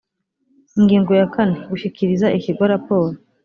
ingingo ya kane gushyikiriza ikigo raporo